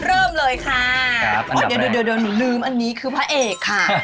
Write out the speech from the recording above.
เริ่มเลยค่ะเดี๋ยวหนูลืมอันนี้คือพระเอกค่ะ